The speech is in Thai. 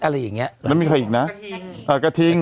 อะไรอย่างเงี้ย